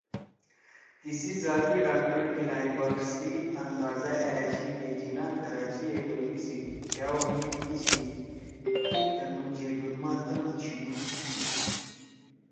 تیِسی ذاتی ڈاکٹر الہی بخش سی آندازہ أشی کہ جناح کراچی ئے بیُو سی کھأؤ نیت کِیشی تی تنو جیدون ما طم چھینُوشُو